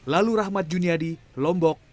lalu rahmat juniadi lombok